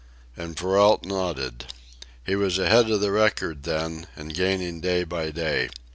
And Perrault nodded. He was ahead of the record then, and gaining day by day.